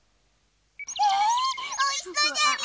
えおいしそうじゃりー！